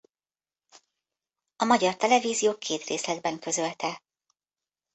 A Magyar Televízió két részletben közölte.